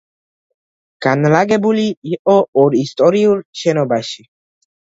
განლაგებული იყო ორ ისტორიულ შენობაში.